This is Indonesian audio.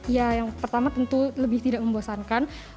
ya yang pertama tentu lebih tidak membosankan